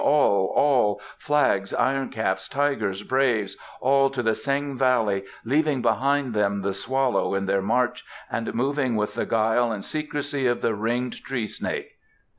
All, all Flags, Ironcaps, Tigers, Braves all to the Seng valley, leaving behind them the swallow in their march and moving with the guile and secrecy of the ringed tree snake.